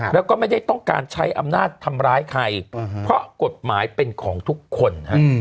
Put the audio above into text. แล้วก็ไม่ได้ต้องการใช้อำนาจทำร้ายใครเพราะกฎหมายเป็นของทุกคน